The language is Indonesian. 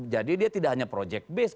jadi dia tidak hanya project based